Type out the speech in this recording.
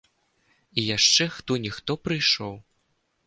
І яшчэ хто-ніхто прыйшоў.